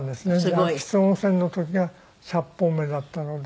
『秋津温泉』の時が１００本目だったので。